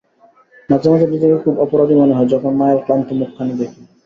মাঝে মাঝে নিজেকে খুব অপরাধী মনে হয়, যখন মায়ের ক্লান্ত মুখখানি দেখি।